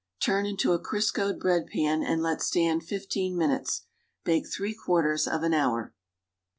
Turp into a Criscoed bread pan anil let stand fifteen ndnutes. liake thrce rpuirters of an luuir.